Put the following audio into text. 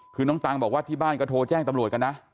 คือน้องตังบอกว่าที่บ้านก็โทรแจ้งตำรวจกันนะ